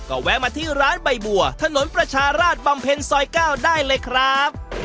ก็แวะมาที่ร้านใบบัวถนนประชาราชบำเพ็ญซอย๙ได้เลยครับ